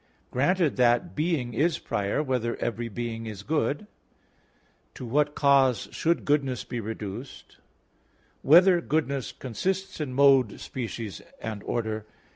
(3) Granted that being is prior, whether every being is good? (4) To what cause should goodness be reduced? (5) Whether goodness consists in mode, species, and order?